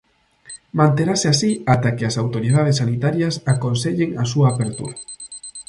Manterase así ata que as autoridades sanitarias aconsellen a súa apertura.